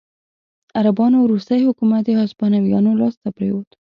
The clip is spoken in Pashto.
عربانو وروستی حکومت د هسپانویانو لاسته پرېوت.